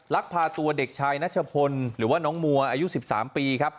ลักพาตัวเด็กชายนัชพลหรือว่าน้องมัวอายุ๑๓ปีครับ